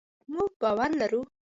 مونږ باور لرو